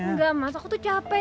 enggak mas aku tuh capek